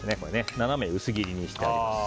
斜め薄切りにしてあります。